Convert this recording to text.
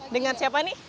dengan siapa ini